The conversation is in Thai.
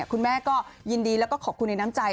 คุณแม่ก็ยินดีแล้วก็ขอบคุณในน้ำใจ